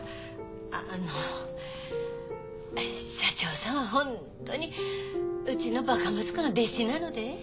ああの社長さんはほんとにうちのバカ息子の弟子なので？